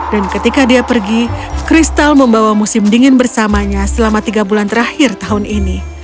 dan ketika dia pergi kristal membawa musim dingin bersamanya selama tiga bulan terakhir tahun ini